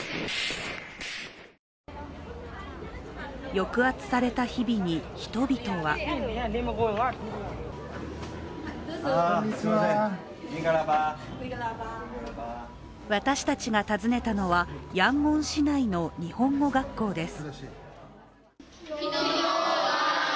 抑圧された日々に、人々は私たちが訪ねたのは、ヤンゴン市内の日本語学校です。